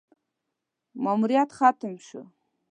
ماموریت ختم شو: